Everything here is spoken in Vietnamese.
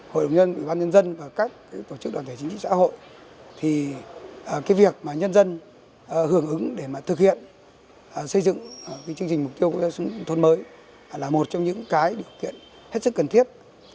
tổng nguồn vốn huy động đầu tư cho xây dựng nông thôn mới là một trong những điều kiện hết sức cần thiết